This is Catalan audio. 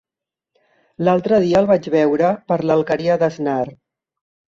L'altre dia el vaig veure per l'Alqueria d'Asnar.